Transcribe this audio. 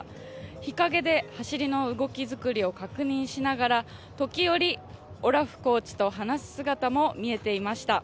日陰で走りの動き作りを確認しながら、時折、オラフコーチとす姿も見えていました。